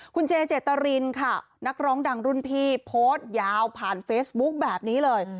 คุณเจเจตรินค่ะนักร้องดังรุ่นพี่โพสต์ยาวผ่านเฟซบุ๊คแบบนี้เลย